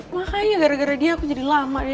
makanya gara gara dia aku jadi lama ya